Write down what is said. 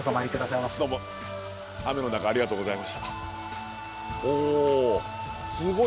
どうも雨の中ありがとうございました。